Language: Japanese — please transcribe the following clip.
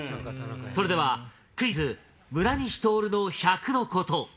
それではクイズ村西とおるの１００のコト。